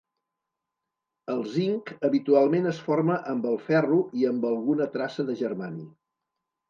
El zinc habitualment es forma amb el ferro i amb alguna traça de germani.